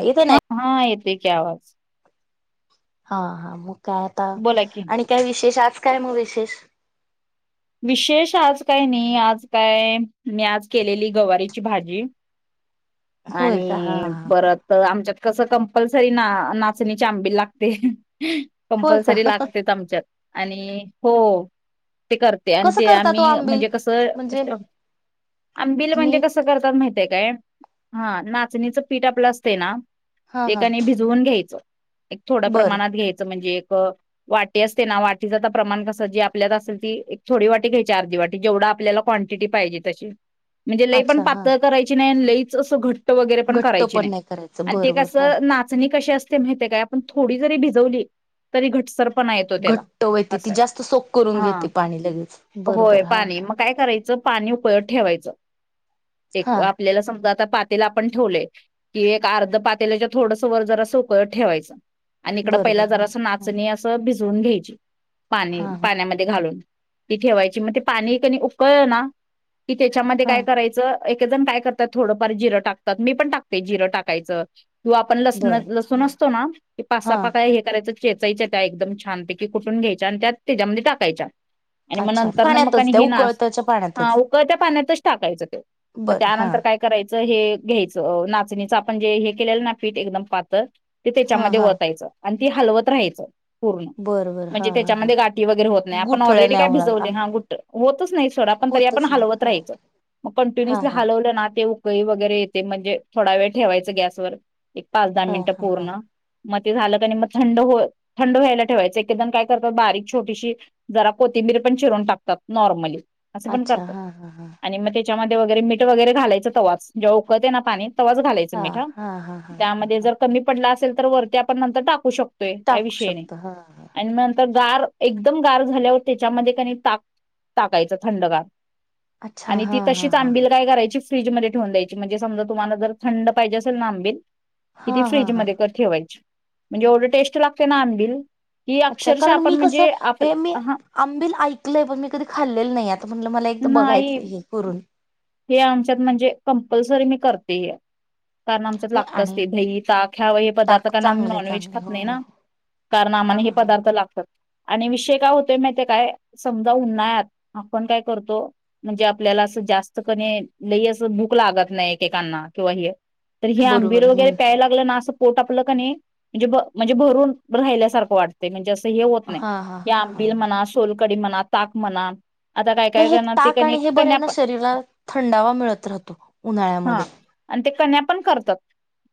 येते हा नाही. हा येतेय आवाज हा हा मगं काय आता बोला की आणि काय विशेष आज काय मगं विशेष? विशेष आज काय नाही आज काय मी आज केलेली गवारीची भाजी होय का हा आणि हा. परत आमच्यात कसं कंपल्सरी ना नाचणीची आंबेल लागते होय का कंपल्सरी लागतेच आमच्यात आणि हो ते करत [inaudible] कसं काय करता तो आंबिल म्हणजे मी हा नाचणीचं पीठ आपलं असते ना हा ते हा काणी भिजवून घ्यायचं एक थोड्या बरं प्रमाणात घ्यायचं म्हणजे, वाटी असते ना वाटीच प्रमाण कस जी आपल्यात असेल ती, थोडी वाटी घ्यायची अर्धी वाट जेवढं आपल्याला क्वांटिटी पाहिजे तशी. म्हणजे, लय पण अच्छा हा पातळ करायची नाही लईच असं घट वगैरे पण घट्ट करायची पण नाही करायचं आणि ते बरं बर हा. नाचणी कशी असते माहिते काय. पण थोडी जरी भिजवली तरी घटसर पण नाय येतो त्याला घट्ट वैती अस ती आहे जास्त सोक करून हा घेते पाणी लगेच बरोबर होय हा पाणी हा. मग काय करायचं. पाणी उकळत ठेवायच एक हा आपल्याला समजा आता पातेला आपण ठेवल की एक अर्ध पातेलाच्या थोडस वर जरास उकळत ठेवायचं. आणि इकडं पहिला बरोबर हा जरा अस हा नाचणी असं भिजवून घ्यायची, पाणी हा हा पाण्यामध्ये घालून. ती ठेवायची मग ते पाणी कणी उकळ ना! की त्याच्यामध्ये हा काय करायचं एक जण काय करतात थोडंफार जिरं टाकतात मी पण टाकते. जिरं टाकायचं. किंवा आपण लस बर हा. लसून असतो ना! की हा पाच-सहा पाकळ्या हे करायचं. चेचायच्या त्या एकदम छानपैकी कुठून घ्यायच्या आणि त्या त्याच्यामध्ये टाकायच्या. आणि मग अच्छा नंतर ना मग पाण्यातच आणि त्या हे नास उकळत्याच्या हा पाण्यातच उकळत्या पाण्यातच टाकायचं ते, मग बरं हा. त्यानंतर काय कराय हे घ्यायचं नाचणीच आपण जे हे केलेलं ना फीट एकदम पातळ ते हा त्याच्यामध्ये हा ओतायचं आणि ती हलवत राहायचं. पूर्ण बरं बरं म्हणजे, हा हा हा त्याच्यामध्ये गाठी वगैरे होत नाही. आपण गुठळ्या ऑलरेडी नाही की होणार भिजवले अग होतच नाही सोड पण त आपण होतच हलवत नाही राहायचं च मग हा कंटिन्युसली हा हलवलं ना ते, ई वगैरे येते म्हणजे थोडा वेळ ठेवायचं गॅसवर एक पाच दहा हा हा मिनिटं हा हा पूर्ण. मग ते झालं क नाही मग थंड हो थंड व्हायला ठेवायचं एकद काय करत बारीक छोटीशी जरा कोथिंबीर पण चिून टाकतात नॉर्मली, अस पण अच्छा करत हा हा हा आणि मग त्याच्यामध्ये वगैरे, मीठ वगैरे, घालायचं तवास जव उळते ना पाणी तवाच घालायच मीठ हा त्यामध्ये जर कमी पडला असेल तर वरती आपण नंतर टाकू शकतो. काही टाकू विषयी नाही, शकतो हा हा आणि नंतर गार एकदम गार झाल्यावर. त्याच्यामध्ये क नइ ताक टाकायच थंडगार! अच्छा आणि ती हा हा तशीच हा हा आंबिल काय करायची फ्रीजमध्ये ठेवून द्यायची म्हणजे समजा तुम्हाला जर थंड पाहिजे आंबील, किती हा हा फ्रीज हा मध्ये ठेवायची म्हणजे एवढं टेस्ट लागते ना आंबिल ही अच्छा अक्षरश कारण आपण मी कसं म्हणजे, आप हे मी हा आंबिल ऐकलंय पण मी कधी खाल्लेलं नाही आता म्हटलं मला एकदा नाही बघायचंय हे करून. हे आमच्यात म्हणजे कंपल्सरी मी करते हे, कारण आमच्यात नाही लागतच आणि ते दही ताक ह्यावा हे पदार्थ ताक कारण आम्ही चांगले नॉनवेज चांगले खात हो नाही हो ना! कारण हा आमाना हे हा पदार्थ लागतात. आणि विषय काय हुतोय माहिते काय समजा उन्हाळ्यात आपण काय करतो म्हणजे आपल्याला असं जास्त कनी लई असं भूक लागत नइ एकेकांना किंवा हे तर हे बरोबर आंबील वगैरे हम्म प्यायला लागलं ना! असं पोट आपलं कनी म्हजे भ म्हजे भरून राहिल्यासारखं वाटतय म्हणजे अस स हे होत नइ हा हा ते हा आंबिल म्हणा, सोलकडी म्हणा, ताक म्हणा, आता काय नाही काय हे करणार ते ताक कणी आणि हे बरे कण्या ना पण शरीराला थंडावा मिळत राहतो हा उन्हाळ्यामध्ये. आणि ते कन्या पण करतात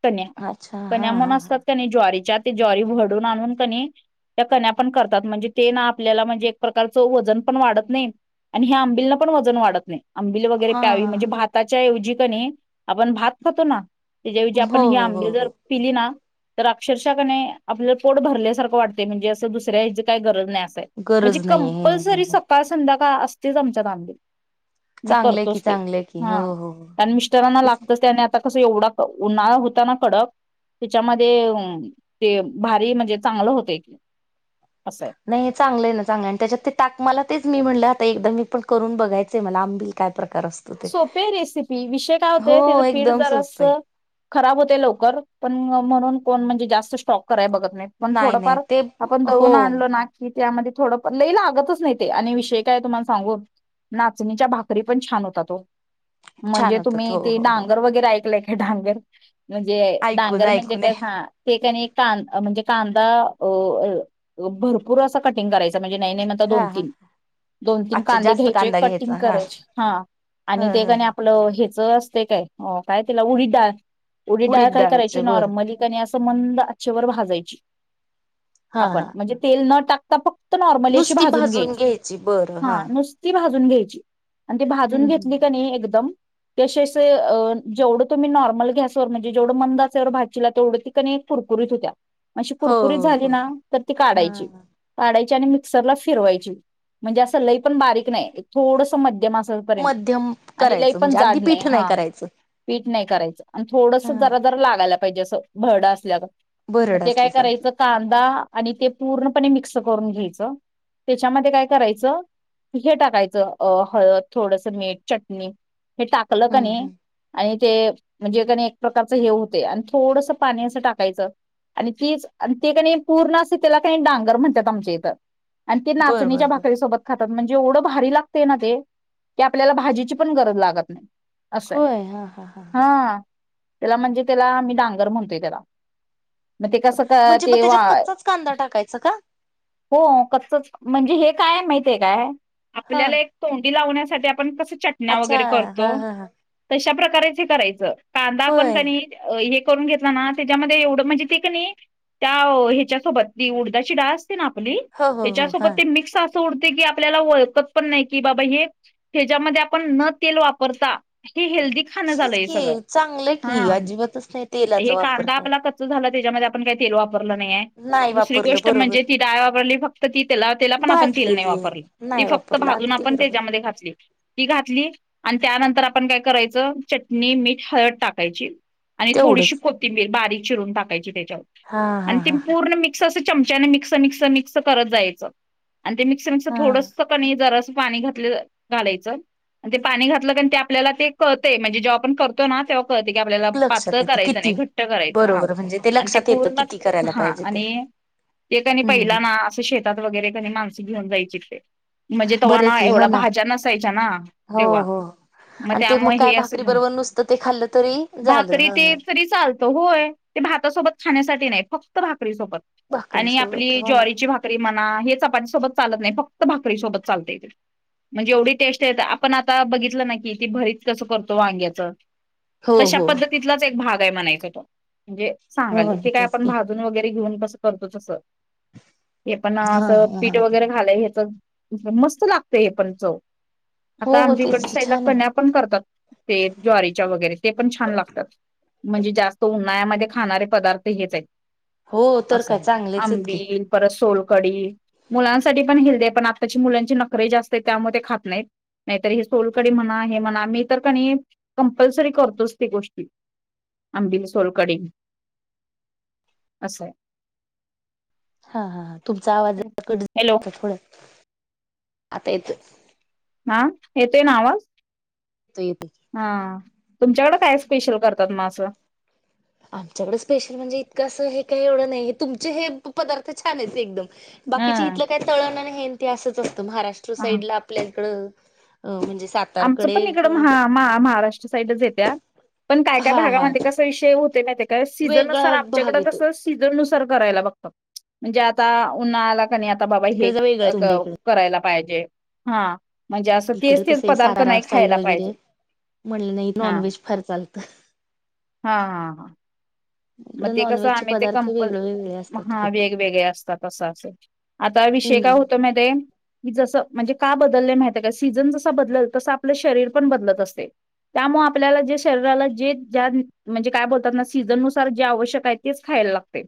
कन्या अच्छा कन्या हा हा म्हणुन हा असतात कनी ज्वारीच्या ज्वारी भरडून आणून कनी त्या कन्या पण करतात म्हणजे ते ना! आपल्याला म्हणजे एक प्रकारच वजन पण वाढत नइ, आणि ह्या आंबिलन पण वजन वाढत नइ. आंबिली वगैरे हा प्यावी म्हणजे भाताच्याऐवजी कणी आपण भात खातो ना! त्याज्याऐवजी हो आपण ही हो हो आंबली जर हो पिली ना! तर अक्षरशा कने आपलं पोट भरल्यासारखं वाटतय म्हणजे, असं दुसऱ्या हेजी काय गरज नइ म्हणजे गरज कंपलसरी नाहीये सकाळ संध्याकाळ असतयच आमच्या आंबिल. मी चांगलंय की करतोच ते चांगलंय की हो हा हो कारन मिस्टरांना तेच लागतच ते आणि आता कस एवढा क उन्हाळा हुता ना कडक त्येच्यामध्ये उम ते भारी म्हणजे चांगलं होतय. नाही चांगलंय ना चांगलंय आणि त्याच्यात ते ताक मला तेच मी म्हणले ते एकदा मी पण करून बघायचंय मला आंबिल काय प्रकार असतो ते सोपीय रेसिपी विषय काय हो हुतोय तज पीठ एकदम जरास सोपं आहे खराब होतय लवकर पण म्हणून कोण म्हणजे जास्त स्टॉक कराय बगत नाहीत पण नाही नाही थोडफार ते आपण हो दळुन आणलो ना की त्यामध्ये थोडं पण लई लागतच नाई ते आणि विषय काय तुम्हाला सांगू नाचणीच्या भाकरी पण छान होतात. छान म्हण्जे होतात तुम्ही हो ते हो हो डांगर वगैरे ऐकलय का डांगर म्हणजे ऐकून डांगर म्हणजे ऐकून काय हा ते कणी कां म्हणजे कांदा अ भरपूर असं कटिंग करायच म्हणजे नाई नइ म्हणता दोन हा हा तीन दोन तीन अच्छा कांदे जास्त घ्यायचे कांदा कटिंग घ्यायचा हा करायचे ह आणि ते कानी ह आपलं हेच असतय काय काय तेला उडीदडाळ. उडीद डाळ काय डाळचे करायची बर नॉर्मलि कनी असं मंद अच्छेवर भाजायची हा आपण हा म्हणजे तेल न टाकता फक्त नॉर्मली अशी भाजून घ्यायची हा नुस्ती भाजून घ्यायची आणि ती भाजून हम्म हम्म घेतली कनी एकदम ती अशी अस अ जेवढं तुमी नॉर्मल गॅसवर म्हणजे जेवढं मंद आचेवर भाजजीला तेवढं ती कुर कुरकुरीत हुत्या म अशी हो कुरकुरीत हो झाली हो ना तर ती काढायची हा काढाय मिक्सरला फिरवायची म्हणजे असं लई पण बारीक नंइ थोडस मध्यम असेपर्यत च मध्यम आणि लय करायचं पण म्हणजे अगदी जाड नइ पीठ नाही हा करायचं. पीठ नाही करायचं आणि थोडस हा. जरा जर लागायला प पहिजे अस भरड असल्या गत म भरड ते काय असल्यासारखी. करायचं कांदा आणि ते पूर्णपणे मिक्स करून घ्यायचं तेच्यामध्ये काय करायचं हे टाकायचं अ हळद थोडस मीठ चटणी हे टाकलं हम्म कनी हम्म. आणि ते म्हणजे कनी एक प्रकारचं हे हुतय आणि थोडस पाणी असं टाकायचं आणि तीच आणि ते कनी पूर्ण अस तेला कनी डांगर म्हणतात आमच्या इथं आणि ते बर नाचणीच्या बर बर. भाकरीसोबत खातात म्हणजे एवढं भारी लागतय ना ते की आपल्याला भाजी ची पण गरज लागत नाही असाय होय हा हा हा हा. हां तेला म्हणजे तेला आमी डांगर म्हणतोय तेला मग ते कसं क म्हणजे मग ते वा त्याच्यात कच्चाच कांदा टाकायचा का? हो कच्चच म्हणजे हे काय माहिती काय हा. आपल्याला एक तोंडी लावण्यासाठी आपण कस अच्छा वगैरे करतो हा हा हा तशा प्रकारेच हे करायचं कांदा पण होय कणी एक करून घेतला ना त्याच्यामध्ये एवढ म्हणजे ते कनी त्या ह्याच्या सोबत ती उडदाची डाळ असत्या ती आपली हो हो हो त्याच्यासोबत हा. ते मिक्स आस सोडते की आपल्याला ओळखत पण नाही की बाबा हे हेच्यामध्ये पण न तेल वापरता हे हेल्दी खाण झालं तेच हे की सगळं चांगलं हा की अजिबातच नाही तेलाचा हे वापर कांदा काय. आपला कच्चा झाला त्याच्यामध्ये आपण काही तेल वापरलं नाहीये नाही दुसरी वापरलं गोष्ट बरोबर म्हणजे ती डाळ वापरली फक्त ती तेला तेला पण आपण तेल नाही भाजलेली आहे. वापरली ती नाही फक्त वापरलं भाजून अगदी आपण बरोबर त्याच्यामध्ये घातली ती घातली आणि त्यानंतर आपण काय करायचं चटणी मीठ हळद टाकायची आणि थोडीशी तेवढंच कोथिंबीर बारीक चिरून टाकायची त्याच्यावर हा आणि हा त हा हा. पूर्ण मिक्स अस चमच्याने मिक्स मिक्स मिक्स करत जायच आणि ते मिश्रण हा. थोडसं कणी जरा पाणी घातलं घालायचं ते पाणी घातलं कारण ते आपल्याला ते कळतय म्हणजे जेव्हा आपण करतो ना तेव्हा की आपल्याला लक्षात पातळ येतं करायचं किती नाही घट्ट करायचं हा बरोबर म्हणजे आणि ते लक्षात येतं पूर्ण किती करायला हा पाहिजे ते आणि ते कणी हम्म. हम्म. पहिला ना असं शेतात वगैरे कनी माणस घेऊन जायची ते म्हणजे तव्हा बरे ना की हो एवढा भाज्या नसायच्या ना हो तेव्हा हो आणि ते मग त्यामुळे हे काय असं भाकरी घेऊन बरोबर नुसतं ते खाल्लं तरी भाकरी झालं ते तरी चालतं होय ते भातासोबत खाण्यासाठी नाही फक्त भाक भाकरी सोबत भाकरी आणि सोबत आपली हो ना ज्वारीची भाकरी मना हे चपाती सोबत चालत नाही फक्त फक्त भाकरी सोबत चालतंय म्हणजे एवढी टेस्ट येत्या आपण आता बघितलं ना की ती भरीत कसं करतो वांग्याच हो तशा हो पद्धतीतलाच एक भाग का म्हणायच म्हणजे सांगाले हो ना हे काय तेच आपण की भाजून वगैरे घेऊन कसं करतो तसं हे पण हा असं ह पीठ ह वगैरे घालंय ह्याच मस्त लागतंय हे पण चव आता हो हो आमच्या इकडच्या तेच की साईडला छान कण्या आहे पण करतात ते ज्वारीच्या वगैरे ते पण छान लागतात म्हणजे जास्त उन्हाळ्यामध्ये खाणारे पदार्थ हेच आहेत हो तर असं काय आहे चांगलेच आहेत की आंबिल परत सोल कढी मुलांनसाठी पण हेल्दी पण आताची मुलांची नखरे जास्त त्यामुळे ते खात नाहीत नाहीतर हे सोलकढी म्हणा हे म्हणा मी तर कणी कंपल्सरी करतोच ती गोष्टी आंबील सोलकढी असं हाय हा हा तुमचा आवाज कट हॅलो थोड आता येतोय हा येतोय ना आवाज येतोय येतोय हा तुमच्याकडे काय स्पेशल करतात मग असं आमच्याकडे स्पेशल म्हणजे इतकं असं हे काही एवढं नाही हे तुमचे हे पदार्थ छान आहेत एकदम बाकीचे इथलं काय तळण आणि हेन ते असंच असतं महाराष्ट्र ह साईड ला आपल्या इकडं अ म्हणजे आमचं पण इकडं सातारकडे महा महा महाराष्ट्र साईडलाच येत्या पण काय काय हा हा भागामध्ये कसा विषय होतेय माहीत आहे का सीझन नुसार वेगळा भाग आमच्याकडे कस येतो सीझन नुसार करायला बघत म्हणजे आता उन्हाळाला आता बाबा हे तिकडे ज वेगळा आहे तुमच्या इकड करायला पाहिजे हा म्हणजे असं इकडे तेच तेच कसं आहे पदार्थ सातारा नाही साईड खायला वगैरे पाहिजे. म्हटलं नाही हा नॉनव्हेज फार चालतं हा हा हा मग इकडे ते कसं नॉनव्हेजचे आम्ही ते पदार्थ कंपल वेगळे वेगळे असतात हा खूप वेगवेगळे असतात असं असे आता विषय काय हम्म होतोय माहित आहे का की जसं म्हणजे का बदलय माहित आहे काय सीझन जस बदलल तसं आपलं शरीर पण बदलत असतय त्यामुळे आपल्याला जे शरीराला जे ज्या म्हणजे काय बोलतात ना सीझन नुसा जे आवश्यक आहे तेच खायलाला लागतय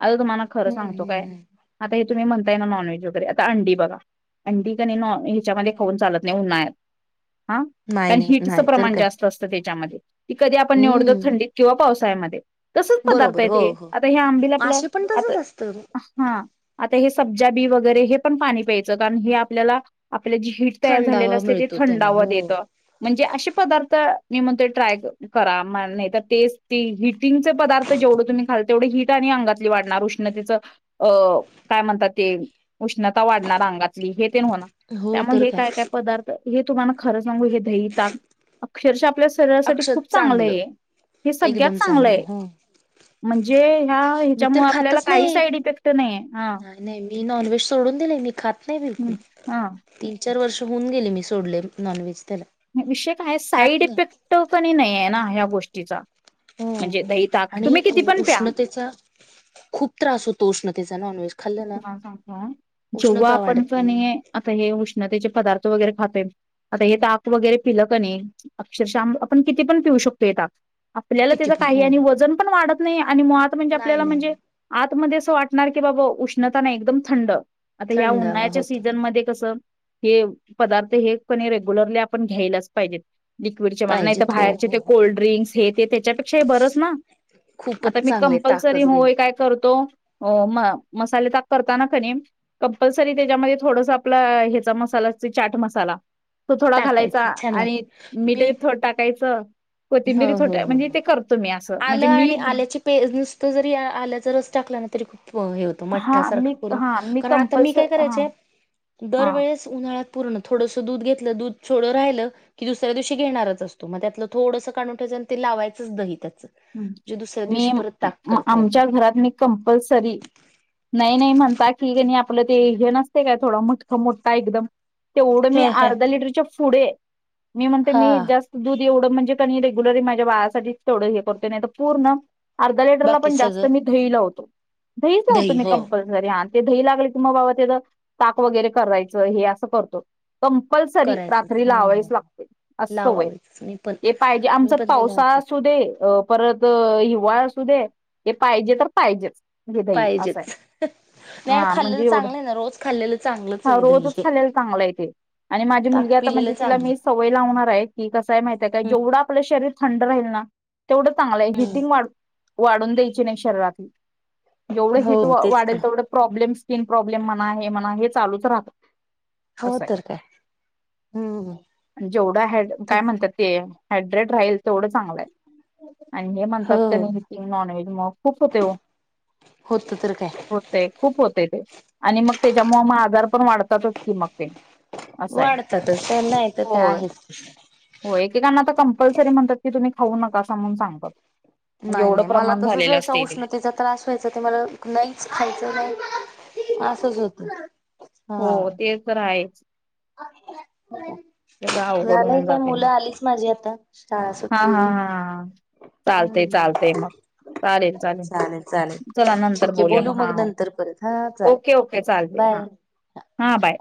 आता तुम्हाला खरं सांगतोय हम्म काय तुम्ही म्हणताय ना नॉनव्हेज वगैरे आता अंडी बघा अंडी कणी नॉ ह्याच्यामध्ये खाऊन चालत नाही ऊन्हाळ्यात ‌ हा नाही पण नाही हीटचं नाही तर प्रमाण काय जास्त असतं त्या त्यामध्ये कधी आपण निवडतो हम्म थंडीत किंवा पावसाळ्यामध्ये तसंच पदार्थ बरोबर आहेत हो हे हो आता हे आंबली आपलं मासे पण आता तसच असतं हा आता हे सब्ज [unintelligible] बी वगैरे हे पण पाणी प्यायचं कारण हे आपल्याला आपलं जी हीट तयार झालेलं थंडावा असते ते मिळतो त्यानं थंडाव हो देतं म्हणजे असे पदार्थ मी म्हणतो ट्राय करा मल नाही तर तेच ती हिट [unintelligible] चे पदार्थ जेवढ तुम्ही खाल तेवढ हीट आणि अंगातली वाढणार उष्णतेच काय म्हणतात ते उष्णता वाढणार अंगातली हे ते होणार हो तर त्यामुळे काय काही काही पदार्थ तुम्हाला खरं सांगु हे ताई इथं अक्षरशः आपल्या शरीरासाठी खूप चांगलं आहे हे सगळ्यात चांगलं चांगलयं आहे हं म्हणजे ह्या मी तर ह्याच्यामुळे आपल्याला खातच काही नाही, साईड इफेक्ट नाहीये हा नाही मी नॉनव्हेज सोडून मी खात नाही हं, बिलकुल हा तीन चार वर्ष होऊन गेले मी सोडले नॉनव्हेज- त्याला विषय काय खात साईड इफेक्ट नाही कण नाहीये ना या गोष्टीचा. हो म्हणजे दही ताक आणि तुम्ही किती पण प्या उष्णतेचा खूप त्रास होतो उष्णतेचा नॉनव्हेज खाल्लं ना तुम्हाला सांगतो जेव्हा उष्णता आपणच वाढते नाही आता हे उष्ण त्याचे पदार्थ वैगरे खातोय आता हे ताक वैगरे पिल की नाही अक्षरशः आम आपण किती पण पिउ शक आपल्याला किती त्याचं पण काही हो आणि वजन पण वाढत नाही. आणि मुळात म्हणजे नाही आपल्याला नाही म्हणजे नाही आत मध्ये असं वाटणार की बाबा उष्णता नाही एकदम थंड आता ह्या थंड हवा उन्हाळ्याच्या होत सीझन मध्ये कसं हे पदार्थ हे पण रेग्युलरली आपण घ्यायलाच पाहिजेत. लिक्विडचे मला नाही पाहिजे तर हो बाहेरचे हो ते हो कोल्ड्रिंक्स हे ते त्याच्यापेक्षाही बरंच ना. आता खूपच मी चांगले कंपल्सरी ताकच घेण होय काय करतो म मसाले ताक करताना कनी कंपलसरी त्याच्यामध्ये थोडसं आपला ह्याचा मसाला चाट मसाला तो थोडा घालायचा टाकायचं छान आणि लागत मी मीठही थोड टाकायचं. हो कोथिंबीरी हो छोट्या हो म्हणजे हो ते करतो मी. असं आलं म्हणजे मी आणि आल्याचे पेज नुसत जरी आल्याचा रस टाकला ना तरी खूप हो हे होत हा मी मठ्ठासारखं करून हा कारण आता मी कंपल्स काय हा करायचे दर हा वेळेस उन्हा ह्यात पुर्ण थोडसं दुध घेतलं, दुध थोड राहील कि दुसऱ्या दिवशी घेणारच असतो मग त्यातलं थोडसं काढून त्यांच्या ने ते लावायच च दही त्यात मी करता येतं. आमच्या घरात मी कंपलसरी नाही नाही म्हणता की गणी आप आपलं हे नसते काय थोडा मटका मोठा एकदम तेवढं मी हं हं. अर्धा लिटरच्या पुढे मी म्हणते मी हा जास्त दूध एवढं म्हणजे कानी रेग्युलरी माझ्या बाळासाठी तेवढं हे करतो नाही पूर्ण अर्धा लिटरला बाकी पण जास्त सगळं मी दही लावतो. दहीच लावतो दही मी हो कंपलसरी आ ते दही लागले की मग बाबा त्याचं ताक वगैरे करायचं हे असं करतो कंपलसरी करायचंच रात्री ह ह. लावायच लागते असं व्हय लावावेच मी पण हे पाहिजे मी आमचा पण ते पावसाळा लावतेच असू दे परत हिवाळ असू दे हे पाहिजे तर पाहिजेच. हे दही असं आहे पाहिजेच. नाही हा खाल्लेलं म्हणजे एवढं चांगलं आहे ना. रोज खाल्लेलं चांगलंच आहे दही रोजच हे. खालेलं चांगलं आहे ते. आणि माझी मुलगी ताक आता पिलेलं म्हणजे तिला चांगलं मी आहे. सवय लावणार आहे. की कसाय माहित आहे काय जेवढा आपलं शरीर थंड राहील ना तेवढं चांगलं आहे हिटिंग वाढ वाढून द्यायची नाही शरीरातली. जेवढं हिट हो तेच की. वाढेल तेवढं प्रॉब्लेम स्किन प्रॉब्लेम म्हणा हे म्हणा हे चालूच राहतं. हो असय तर काय हम्म जेवढा हॅड काय तेच म्हणतात ते हायड्रेड राहील तेवढं चांगलं आहे. आणि हे हो म्हणतात त्यानी हिटिंग नॉन व्हेज मग खूप होते हो. होत तर काय. होते खूप होते ते आणि मग त्याच्यामुळ मग आजार पण वाढतातच की मग ते असं आहे वाढतातच नाही तर काय होय. आहेच हो एकेकांना तर कंपल्सरी म्हणतात की तुम्ही खाऊ नका असं म्हणून सांगतात. म्हणजे नाही एवढं नाही मला प्रमाण तसच झालेलं व्हायचं असते ते उष्णतेचा त्रास व्हायचा ते मला नाहीच खायचं नाही. असंच होतं. हो हा. ते तर आहेच‌ सगळं अवघड झालंय होऊन काय जातेय मुलं मग आलीच माझी आता शाळा हा हा सुटलेली आहे. हा चालते हम्म चालते मग चालेल चालेल चला ठीक नंतर आहे. बोलूया बोलू हा मग नंतर परत हा ओके चालेल ओके चालते हा बाय. [unintelligible] हा बाय.